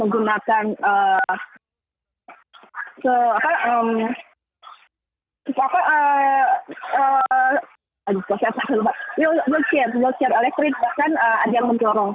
menggunakan ke apa apa eh eh eh aja terlalu banyak juga cek elektrik bahkan ada yang mendorong